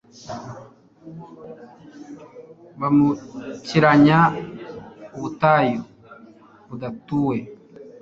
bambukiranya ubutayu budatuwe